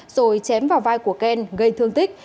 rồi chém vào vai của ken gây thương tích